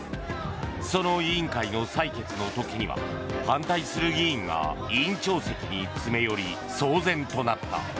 その委員会の採決の時には反対する議員が委員長席に詰め寄り騒然となった。